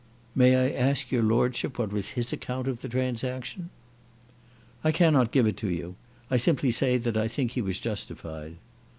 "May I ask your lordship what was his account of the transaction." "I cannot give it you. I simply say that I think that he was justified."